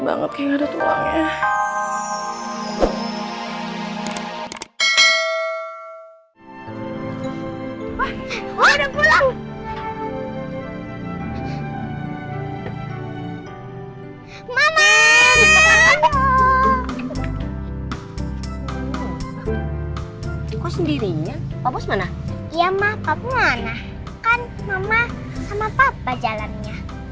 mana kan mama sama papa jalannya